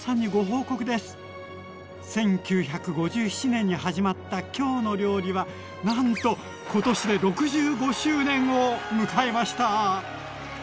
１９５７年に始まった「きょうの料理」はなんと今年で６５周年を迎えました！